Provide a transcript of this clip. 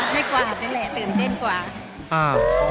ให้กวาดนั่นแหละตื่นเต้นกว่า